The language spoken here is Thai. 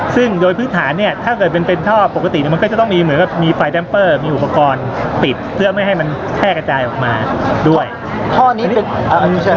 ซึ่งโดยพื้นฐานเนี้ยถ้าเกิดเป็นเป็นท่อปกติเนี่ยมันก็จะต้องมีเหมือนกับมีไฟแดมเปอร์มีอุปกรณ์ปิดเพื่อไม่ให้มันแพร่กระจายออกมาด้วยท่อนี้นี่ใช่ไหม